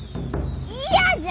嫌じゃ！